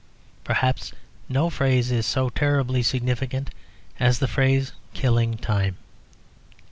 Perhaps no phrase is so terribly significant as the phrase "killing time."